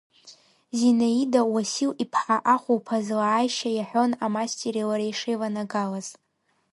Зинаида Уасил-иԥҳа ахәылԥаз лааишьа иаҳәон амастери лареи шеиванагалаз.